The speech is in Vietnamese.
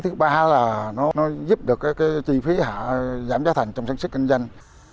thứ ba là nó giúp được cái chi phí giảm giá thành trong sản xuất kinh doanh